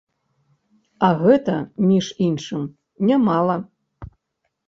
А гэта, між іншым, нямала!